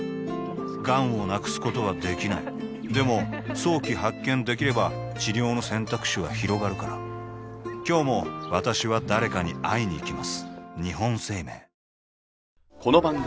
がんを無くすことはできないでも早期発見できれば治療の選択肢はひろがるから今日も私は誰かに会いにいきます